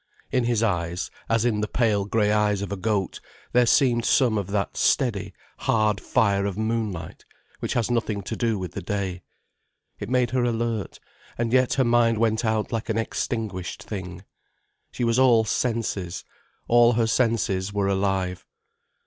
In his eyes, as in the pale grey eyes of a goat, there seemed some of that steady, hard fire of moonlight which has nothing to do with the day. It made her alert, and yet her mind went out like an extinguished thing. She was all senses, all her senses were alive.